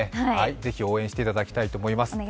ぜひ応援していただきたいと思います。